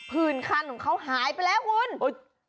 ื่นคันของเขาหายไปแล้วคุณ